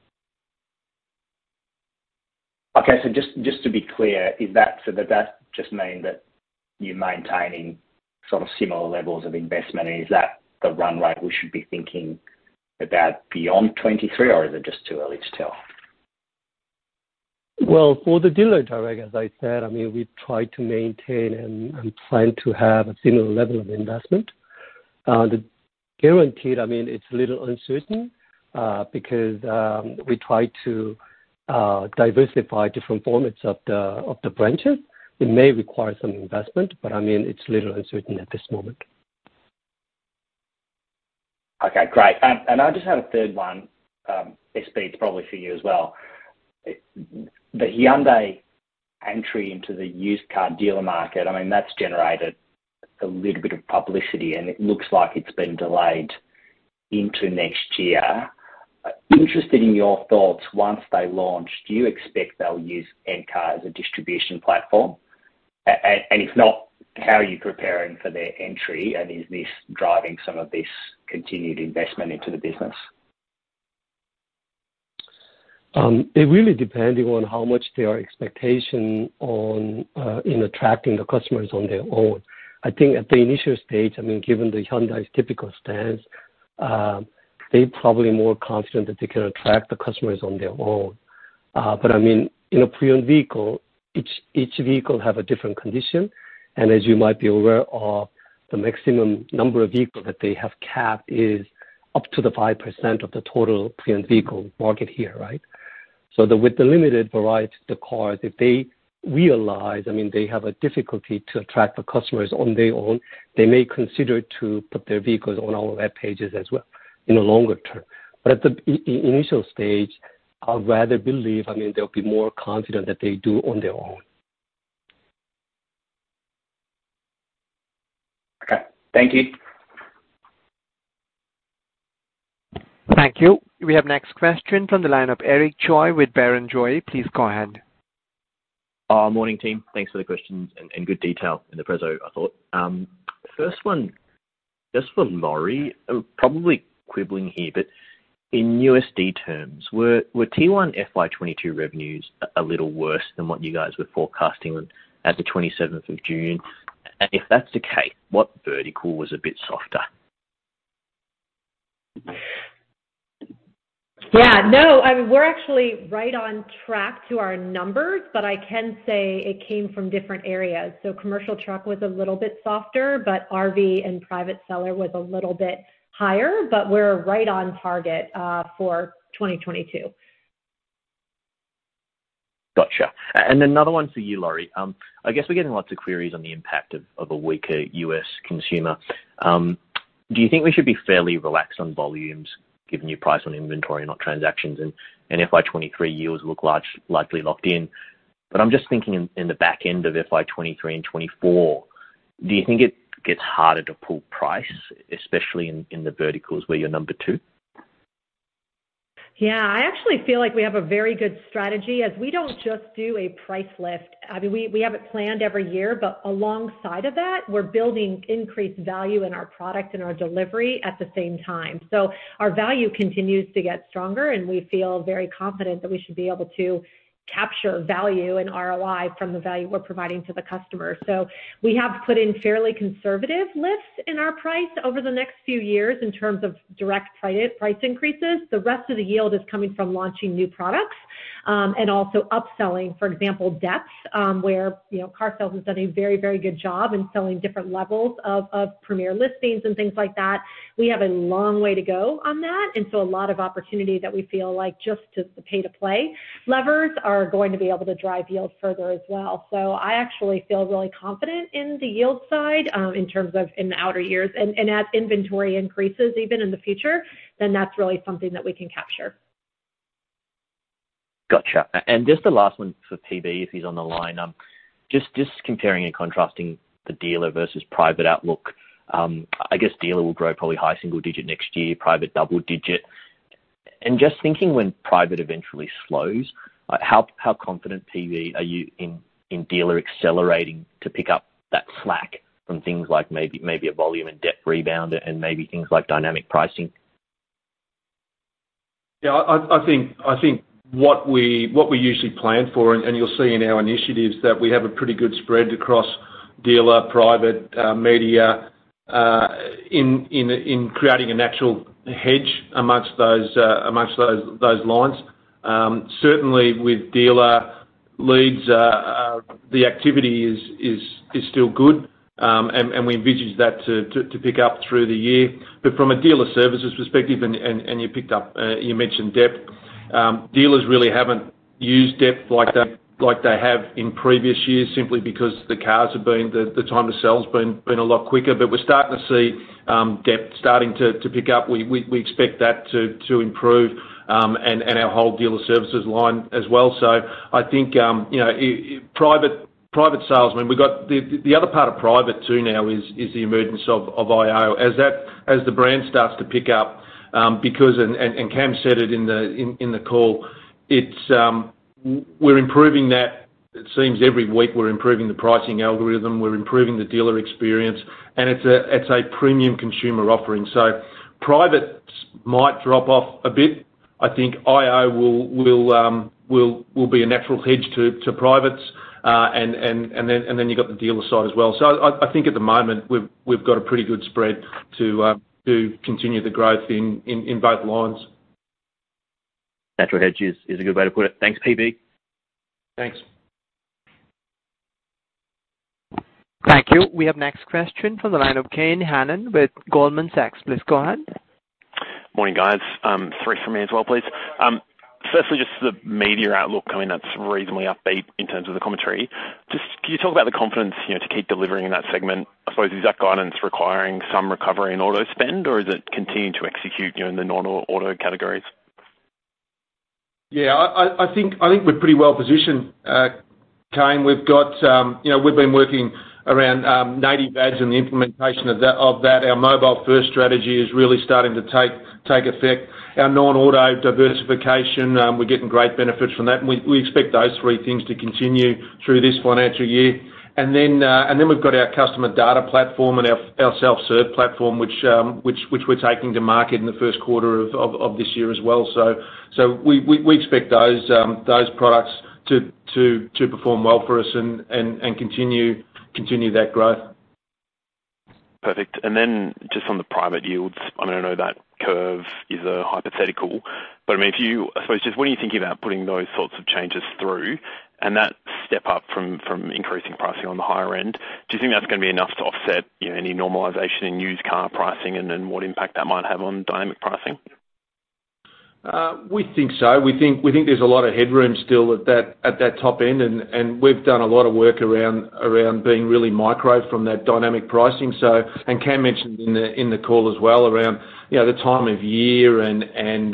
Okay. Just to be clear, does that just mean that you're maintaining sort of similar levels of investment? Is that the run rate we should be thinking about beyond 2023, or is it just too early to tell? Well, for the Dealer Direct, as I said, I mean, we try to maintain and plan to have a similar level of investment. The Guarantee, I mean, it's a little uncertain because we try to diversify different formats of the branches. It may require some investment, but I mean, it's a little uncertain at this moment. Okay, great. I just had a third one, SB, it's probably for you as well. The Hyundai entry into the used car dealer market, I mean, that's generated a little bit of publicity, and it looks like it's been delayed into next year. Interested in your thoughts. Once they launch, do you expect they'll use Encar as a distribution platform? If not, how are you preparing for their entry, and is this driving some of this continued investment into the business? It really depending on how much their expectation on in attracting the customers on their own. I think at the initial stage, I mean, given the Hyundai's typical stance, they're probably more confident that they can attract the customers on their own. But I mean, in a pre-owned vehicle, each vehicle have a different condition. And as you might be aware of, the maximum number of vehicle that they have capped is up to the 5% of the total pre-owned vehicle market here, right? With the limited variety of the cars, if they realize, I mean, they have a difficulty to attract the customers on their own, they may consider to put their vehicles on our web pages as well in the longer term. At the initial stage, I'd rather believe, I mean, they'll be more confident that they do on their own. Okay. Thank you. Thank you. We have next question from the line of Eric Choi with Barrenjoey. Please go ahead. Morning, team. Thanks for the questions and good detail in the presentation, I thought. First one, just for Lori. Probably quibbling here, but in USD terms, were T1 FY 2022 revenues a little worse than what you guys were forecasting on June 27th? If that's the case, what vertical was a bit softer? Yeah, no. I mean, we're actually right on track to our numbers, but I can say it came from different areas. Commercial truck was a little bit softer, but RV and private seller was a little bit higher. We're right on target for 2022. Gotcha. Another one for you, Lori. I guess we're getting lots of queries on the impact of a weaker U.S. consumer. Do you think we should be fairly relaxed on volumes, given you price on inventory, not transactions, and FY 2023 yields look likely locked in? I'm just thinking in the back end of FY 2023 and 2024, do you think it gets harder to pull price, especially in the verticals where you're number two? Yeah. I actually feel like we have a very good strategy as we don't just do a price lift. I mean, we have it planned every year, but alongside of that, we're building increased value in our product and our delivery at the same time. Our value continues to get stronger, and we feel very confident that we should be able to capture value and ROI from the value we're providing to the customer. We have put in fairly conservative lifts in our price over the next few years in terms of direct price increases. The rest of the yield is coming from launching new products and also upselling, for example, depth, where, you know, carsales has done a very, very good job in selling different levels of premier listings and things like that. We have a long way to go on that, and so a lot of opportunity that we feel like just to pay to play. Levers are going to be able to drive yields further as well. I actually feel really confident in the yield side, in terms of in the outer years. As inventory increases even in the future, then that's really something that we can capture. Gotcha. Just the last one for PB, if he's on the line. Just comparing and contrasting the dealer versus private outlook. I guess dealer will grow probably high single-digit% next year, private double-digit%. Just thinking when private eventually slows, how confident, PB, are you in dealer accelerating to pick up that slack from things like maybe a volume and debt rebound and maybe things like dynamic pricing? Yeah. I think what we usually plan for, and you'll see in our initiatives that we have a pretty good spread across dealer, private, media, in creating a natural hedge among those lines. Certainly with dealer leads, the activity is still good, and we envisage that to pick up through the year. From a dealer services perspective, and you picked up, you mentioned depth. Dealers really haven't used depth like they have in previous years, simply because the time to sell has been a lot quicker. We're starting to see depth starting to pick up. We expect that to improve, and our whole dealer services line as well. I think, you know, private sales, I mean, we've got. The other part of private too now is the emergence of IO. As the brand starts to pick up, because Cam said it in the call. It's, we're improving that. It seems every week we're improving the pricing algorithm, we're improving the dealer experience, and it's a premium consumer offering. Privates might drop off a bit. I think IO will be a natural hedge to privates. You've got the dealer side as well. I think at the moment, we've got a pretty good spread to continue the growth in both lines. Natural hedge is a good way to put it. Thanks, PB. Thanks. Thank you. We have next question from the line of Kane Hannan with Goldman Sachs. Please go ahead. Morning, guys. Three from me as well, please. Firstly, just the media outlook. I mean, that's reasonably upbeat in terms of the commentary. Just can you talk about the confidence, you know, to keep delivering in that segment? I suppose, is that guidance requiring some recovery in auto spend, or is it continuing to execute, you know, in the non-auto categories? Yeah. I think we're pretty well positioned, Kane. We've got. You know, we've been working around native ads and the implementation of that. Our mobile-first strategy is really starting to take effect. Our non-auto diversification, we're getting great benefits from that. We expect those three things to continue through this financial year. Then we've got our customer data platform and our self-serve platform, which we're taking to market in the first quarter of this year as well. We expect those products to perform well for us and continue that growth. Perfect. Then just on the private yields, I mean, I know that curve is a hypothetical. I mean, if you, I suppose, just when you're thinking about putting those sorts of changes through and that step up from increasing pricing on the higher end, do you think that's gonna be enough to offset, you know, any normalization in used car pricing and what impact that might have on dynamic pricing? We think so. We think there's a lot of headroom still at that top end. We've done a lot of work around being really micro from that dynamic pricing, so. Cam mentioned in the call as well around, you know, the time of year and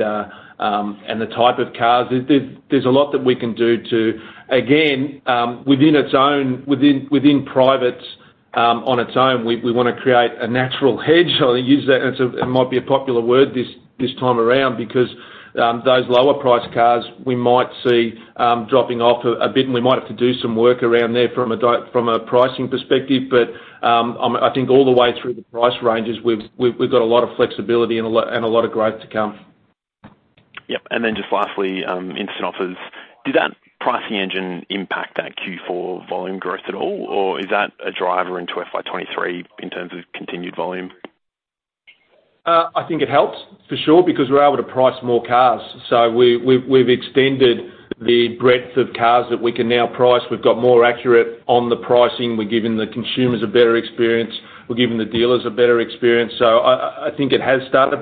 the type of cars. There's a lot that we can do. Within privates on its own, we wanna create a natural hedge. I use that, it might be a popular word this time around because those lower priced cars, we might see dropping off a bit, and we might have to do some work around there from a pricing perspective. I think all the way through the price ranges, we've got a lot of flexibility and a lot of growth to come. Yep. Just lastly, Instant Offer. Did that pricing engine impact that Q4 volume growth at all, or is that a driver into FY 2023 in terms of continued volume? I think it helps, for sure, because we're able to price more cars. We've extended the breadth of cars that we can now price. We've got more accurate on the pricing. We're giving the consumers a better experience. We're giving the dealers a better experience. I think it has started.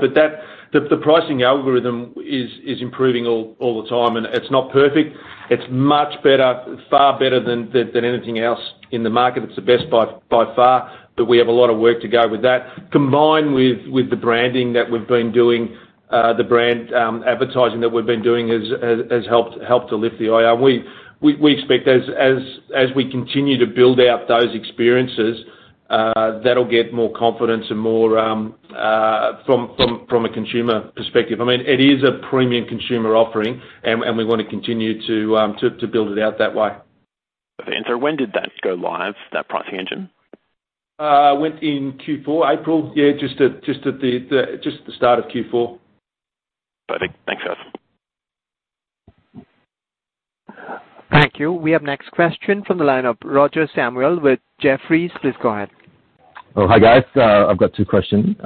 The pricing algorithm is improving all the time. It's not perfect. It's much better, far better than anything else in the market. It's the best by far, but we have a lot of work to go with that. Combined with the branding that we've been doing, the brand advertising that we've been doing has helped to lift the IO. We expect as we continue to build out those experiences, that'll get more confidence and more from a consumer perspective. I mean, it is a premium consumer offering, and we wanna continue to build it out that way. Okay. When did that go live, that pricing engine? Went in Q4, April. Yeah, just at the start of Q4. Perfect. Thanks, guys. Thank you. We have next question from the line of Roger Samuel with Jefferies. Please go ahead. Oh, hi, guys. I've got two questions.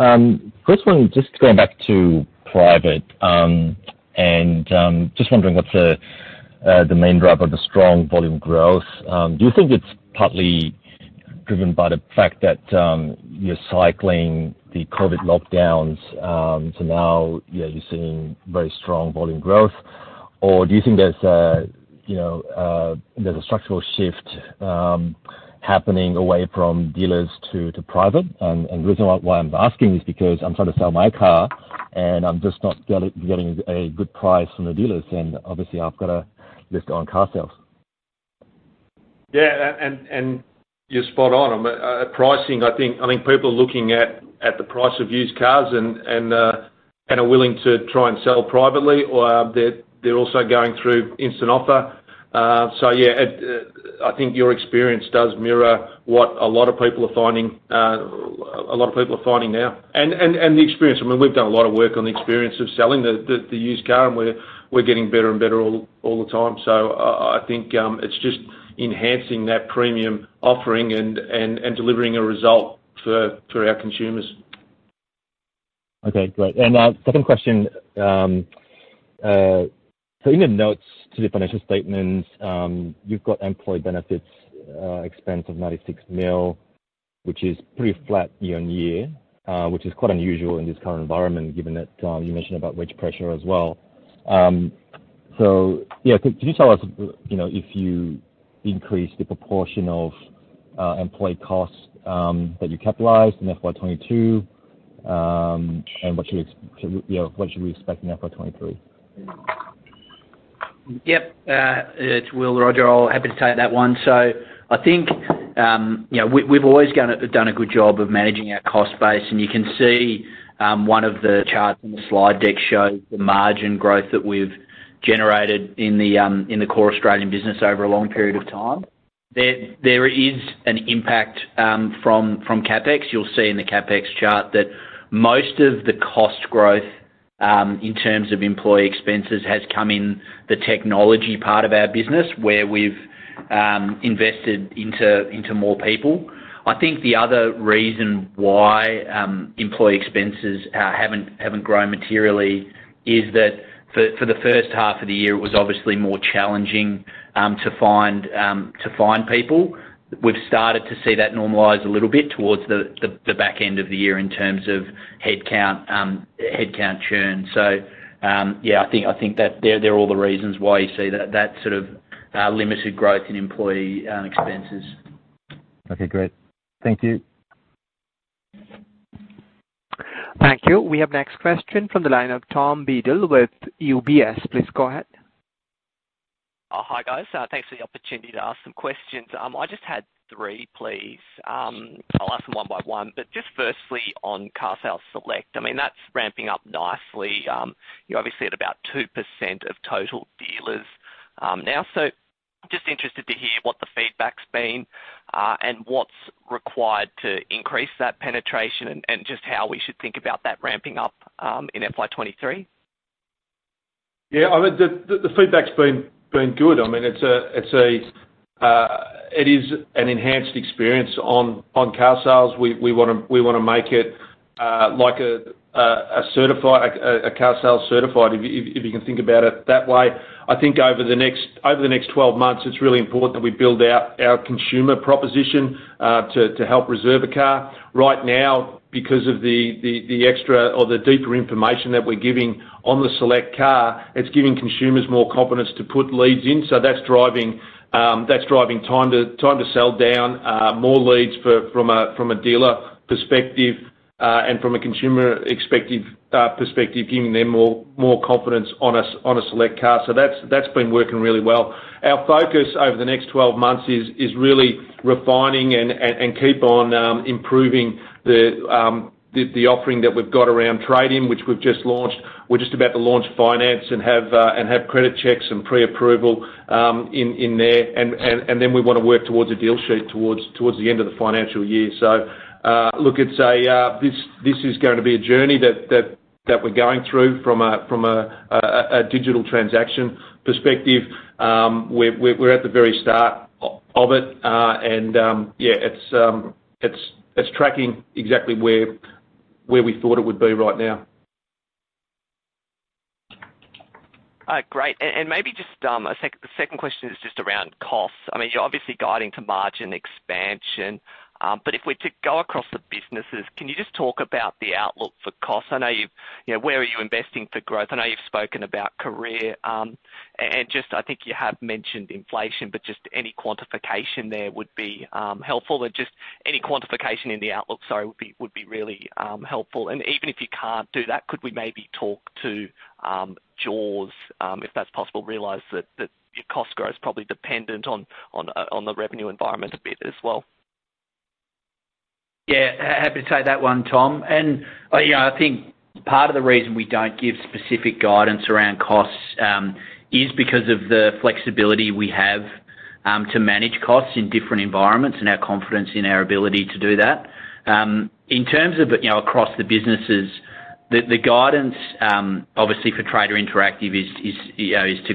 First one, just going back to private. Just wondering what's the main driver of the strong volume growth. Do you think it's partly driven by the fact that you're cycling the COVID lockdowns, so now, yeah, you're seeing very strong volume growth? Do you think there's a you know, there's a structural shift happening away from dealers to private? The reason why I'm asking is because I'm trying to sell my car, and I'm just not getting a good price from the dealers. Obviously, I've gotta just go on carsales. You're spot on. I mean, pricing, I think people are looking at the price of used cars and are willing to try and sell privately, or, they're also going through Instant Offer. I think your experience does mirror what a lot of people are finding now. The experience, I mean, we've done a lot of work on the experience of selling the used car, and we're getting better and better all the time. I think it's just enhancing that premium offering and delivering a result for our consumers. Okay. Great. Second question, so in the notes to the financial statements, you've got employee benefits expense of 96 million. Which is pretty flat year on year, which is quite unusual in this current environment, given that you mentioned about wage pressure as well. So yeah. Can you tell us, you know, if you increased the proportion of employee costs that you capitalized in FY 2022, and what should we expect in FY 2023? Yep. It's Will Elliott. Happy to take that one. I think, you know, we've always done a good job of managing our cost base, and you can see, one of the charts in the slide deck shows the margin growth that we've generated in the core Australian business over a long period of time. There is an impact from CapEx. You'll see in the CapEx chart that most of the cost growth in terms of employee expenses has come in the technology part of our business where we've invested into more people. I think the other reason why employee expenses haven't grown materially is that for the first half of the year, it was obviously more challenging to find people. We've started to see that normalize a little bit towards the back end of the year in terms of headcount churn. Yeah. I think that they're all the reasons why you see that sort of limited growth in employee expenses. Okay, great. Thank you. Thank you. We have next question from the line of Tom Beadle with UBS. Please go ahead. Oh, hi, guys. Thanks for the opportunity to ask some questions. I just had three, please. I'll ask them one by one. Just firstly on carsales Select. I mean, that's ramping up nicely. You're obviously at about 2% of total dealers now, so just interested to hear what the feedback's been and what's required to increase that penetration and just how we should think about that ramping up in FY 2023. Yeah. I mean, the feedback's been good. I mean, it's an enhanced experience on carsales. We wanna make it like a carsales certified, if you can think about it that way. I think over the next 12 months, it's really important that we build out our consumer proposition to help reserve a car. Right now because of the extra or the deeper information that we're giving on the Select car, it's giving consumers more confidence to put leads in. That's driving time to sell down more leads from a dealer perspective and from a consumer perspective, giving them more confidence on a Select car. That's been working really well. Our focus over the next 12 months is really refining and keep on improving the offering that we've got around trade-in, which we've just launched. We're just about to launch finance and have credit checks and pre-approval in there. Then we wanna work towards a deal sheet towards the end of the financial year. Look, this is gonna be a journey that we're going through from a digital transaction perspective. We're at the very start of it. Yeah. It's tracking exactly where we thought it would be right now. Great. Maybe just a second question is just around costs. I mean, you're obviously guiding to margin expansion. If we're to go across the businesses, can you just talk about the outlook for costs? You know, where are you investing for growth? I know you've spoken about career. Just, I think you have mentioned inflation, but just any quantification there would be helpful. Just any quantification in the outlook, sorry, would be really helpful. Even if you can't do that, could we maybe talk to jaws, if that's possible? Realize that your cost growth is probably dependent on the revenue environment a bit as well. Yeah. Happy to take that one, Tom. You know, I think part of the reason we don't give specific guidance around costs is because of the flexibility we have to manage costs in different environments and our confidence in our ability to do that. In terms of, you know, across the businesses, the guidance obviously for Trader Interactive is to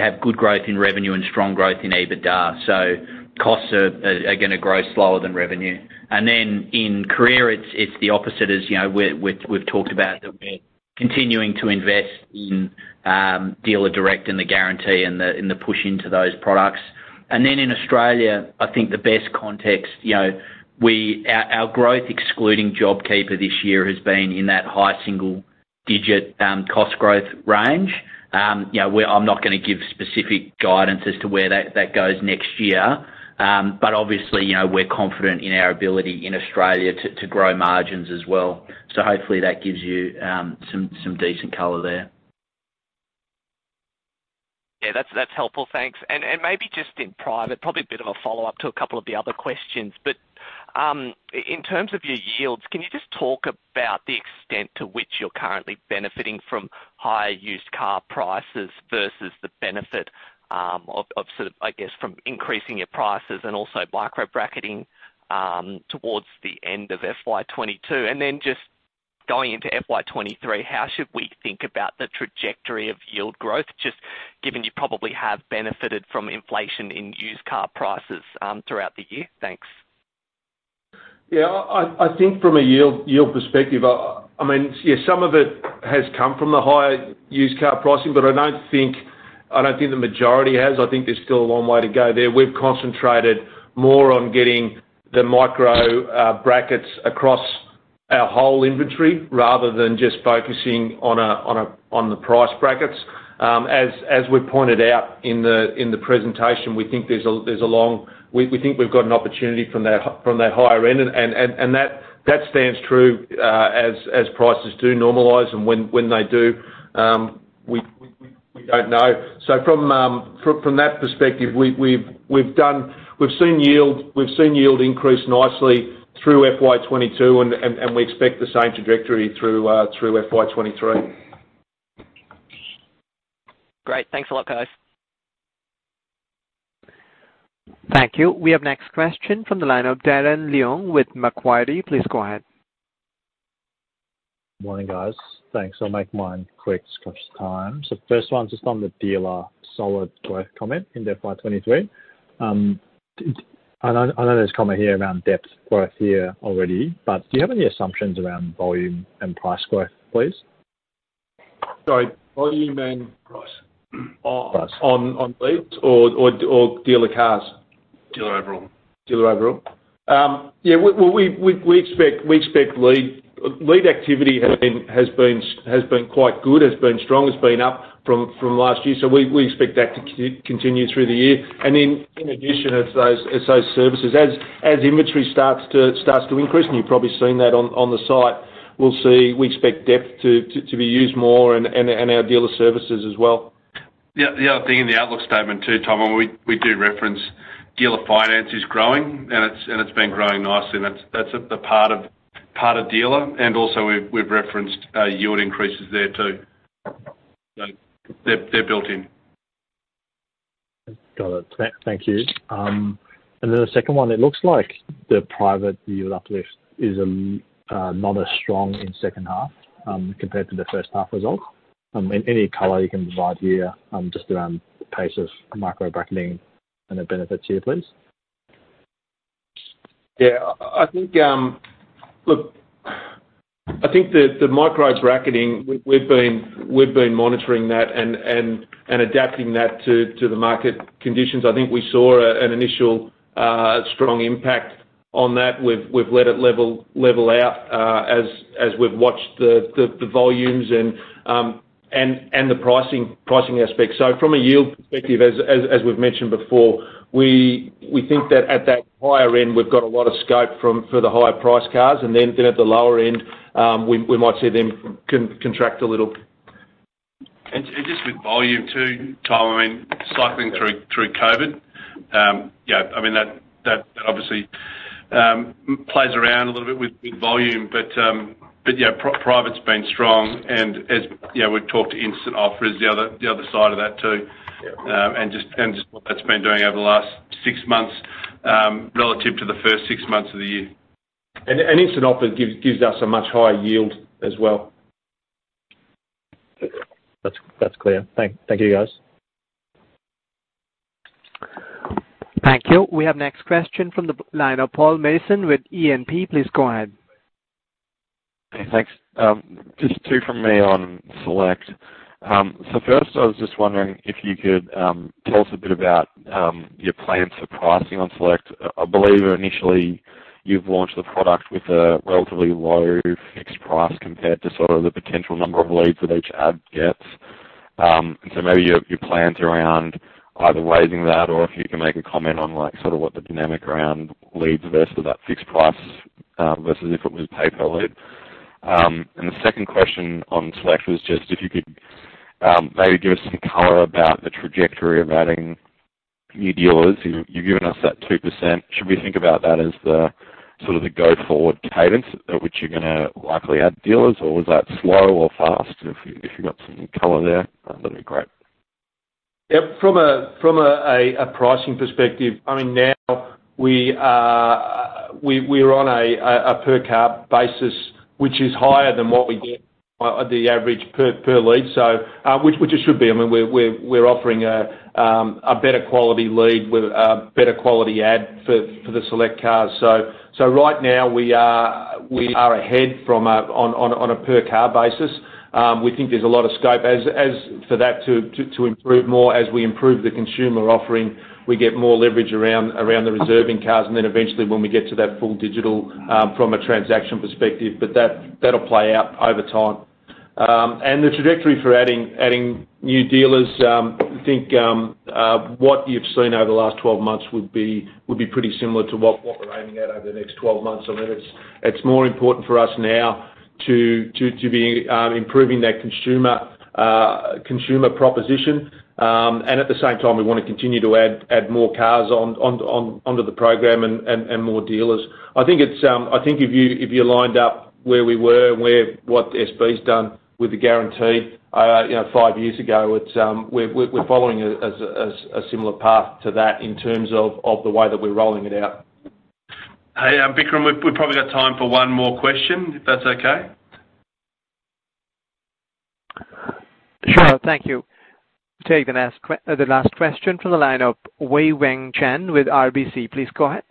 have good growth in revenue and strong growth in EBITDA. Costs are gonna grow slower than revenue. Then in Encar, it's the opposite as, you know, we've talked about that we're continuing to invest in Dealer Direct and the Guarantee and the push into those products. Then in Australia, I think the best context, you know, we... Our growth excluding JobKeeper this year has been in that high-single-digit cost growth range. You know, I'm not gonna give specific guidance as to where that goes next year. Obviously, you know, we're confident in our ability in Australia to grow margins as well. Hopefully that gives you some decent color there. Yeah, that's helpful. Thanks. Maybe just in private, probably a bit of a follow-up to a couple of the other questions. In terms of your yields, can you just talk about the extent to which you're currently benefiting from high used car prices versus the benefit of sort of, I guess, from increasing your prices and also micro-bracketing towards the end of FY 2022? Then just going into FY 2023, how should we think about the trajectory of yield growth, just given you probably have benefited from inflation in used car prices throughout the year? Thanks. Yeah, I think from a yield perspective, I mean, yeah, some of it has come from the high used car pricing, but I don't think the majority has. I think there's still a long way to go there. We've concentrated more on getting the micro brackets across our whole inventory rather than just focusing on the price brackets. As we pointed out in the presentation, we think we've got an opportunity from that higher end, and that stands true as prices do normalize. When they do, we don't know. From that perspective, we've done. We've seen yield increase nicely through FY 2022, and we expect the same trajectory through FY 2023. Great. Thanks a lot, guys. Thank you. We have next question from the line of Darren Leung with Macquarie. Please go ahead. Morning, guys. Thanks. I'll make mine quick to catch time. First one is just on the dealer solid growth comment in FY 2023. I know there's comment here around depth growth here already, but do you have any assumptions around volume and price growth, please? Sorry, volume and price. Price on leads or dealer cars? Dealer overall. Dealer overall. We expect lead activity has been quite good, has been strong. It's been up from last year, so we expect that to continue through the year. In addition, it's those services. As inventory starts to increase, and you've probably seen that on the site, we'll see. We expect depth to be used more and our dealer services as well. Yeah. The other thing in the outlook statement too, Tom, we do reference dealer finance is growing, and it's been growing nicely, and that's a part of dealer. Also we've referenced yield increases there too. They're built in. Got it. Thank you. The second one, it looks like the private yield uplift is not as strong in second half, compared to the first half results. Any color you can provide here, just around the pace of micro-bracketing and the benefits here, please? Yeah. I think, look, I think the micro-bracketing, we've been monitoring that and adapting that to the market conditions. I think we saw an initial strong impact on that. We've let it level out as we've watched the volumes and the pricing aspect. From a yield perspective, as we've mentioned before, we think that at that higher end, we've got a lot of scope for the higher priced cars. Then at the lower end, we might see them contract a little. Just with volume too, Tom. I mean, cycling through COVID, yeah, I mean that obviously plays around a little bit with volume. Yeah, private's been strong and, you know, we've talked Instant Offer is the other side of that too, and just what that's been doing over the last six months relative to the first six months of the year. Instant Offer gives us a much higher yield as well. That's clear. Thank you, guys. Thank you. We have next question from the line of Paul Mason with E&P. Please go ahead. Hey, thanks. Just two from me on Select. First, I was just wondering if you could tell us a bit about your plans for pricing on Select. I believe initially you've launched the product with a relatively low fixed price compared to sort of the potential number of leads that each ad gets. Maybe your plans around either raising that or if you can make a comment on like sort of what the dynamic around leads versus that fixed price versus if it was pay per lead. The second question on Select was just if you could maybe give us some color about the trajectory of adding new dealers. You've given us that 2%. Should we think about that as the sort of the go-forward cadence at which you're gonna likely add dealers, or was that slow or fast? If you got some color there, that'd be great. From a pricing perspective, I mean, now we're on a per-car basis, which is higher than what we get, the average per lead. Which it should be. I mean, we're offering a better quality lead with a better quality ad for the Select cars. Right now we are ahead on a per-car basis. We think there's a lot of scope for that to improve more. As we improve the consumer offering, we get more leverage around the reserving cars, and then eventually when we get to that full digital from a transaction perspective. That'll play out over time. The trajectory for adding new dealers, I think, what you've seen over the last 12 months would be pretty similar to what we're aiming at over the next 12 months. I mean, it's more important for us now to be improving that consumer proposition. At the same time we wanna continue to add more cars onto the program and more dealers. I think if you lined up where we were and what SB's done with the Guarantee, you know, five years ago, we're following a similar path to that in terms of the way that we're rolling it out. Hey, Vikram, we've probably got time for one more question, if that's okay? Sure. Thank you. We'll take the last question from the line of Wei-Weng Chen with RBC. Please go ahead.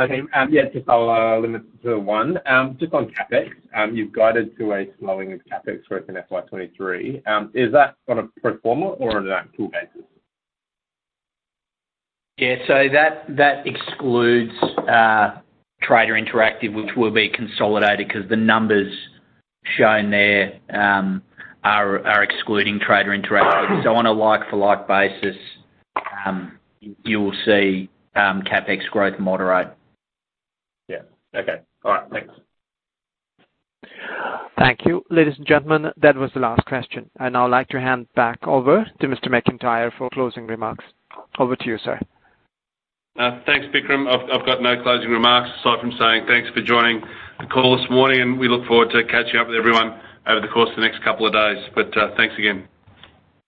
Hi, team. Yeah, just I'll limit it to one. Just on CapEx, you've guided to a slowing of CapEx growth in FY 2023. Is that on a pro forma or on an actual basis? Yeah. That excludes Trader Interactive, which will be consolidated 'cause the numbers shown there are excluding Trader Interactive. On a like-for-like basis, you will see CapEx growth moderate. Yeah. Okay. All right. Thanks. Thank you. Ladies and gentlemen, that was the last question. I'd now like to hand back over to Mr. McIntyre for closing remarks. Over to you, sir. Thanks, Vikram. I've got no closing remarks aside from saying thanks for joining the call this morning, and we look forward to catching up with everyone over the course of the next couple of days. Thanks again.